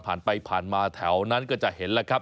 ผ่านไปผ่านมาแถวนั้นก็จะเห็น